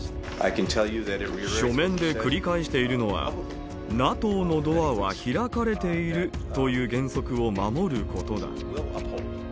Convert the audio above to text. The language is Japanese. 書面で繰り返しているのは、ＮＡＴＯのドアは開かれているという原則を守ることだ。